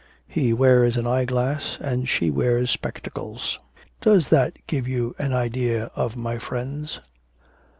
He wears an eyeglass and she wears spectacles. Does that give you an idea of my friends?'